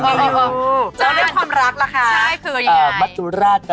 แล้วเรียกความรักละคะ